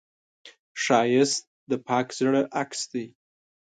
ښایست د پاک زړه عکس دی